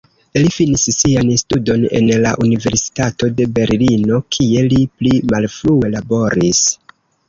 Li finis sian studon en la Universitato de Berlino, kie li pli malfrue laboris.